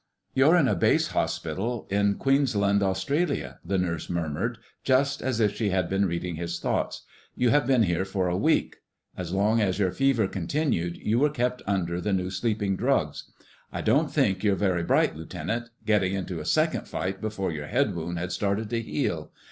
"You're in a base hospital in Queensland, Australia," the nurse murmured, just as if she had been reading his thoughts. "You have been here for a week. As long as your fever continued you were kept under the new sleeping drugs. I don't think you're very bright, Lieutenant—getting into a second fight before your head wound had started to heal.